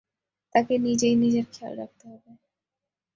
তাকে নিজেই নিজের খেয়াল রাখতে হবে।